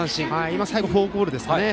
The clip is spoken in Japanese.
今、最後はフォークボールでしたね。